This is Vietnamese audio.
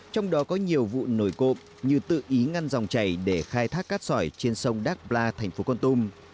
trong đó có nhiều vụ nổi cộm như tự ý ngăn dòng chảy để khai thác cắt sỏi trên sông đắc pla thành phố con tum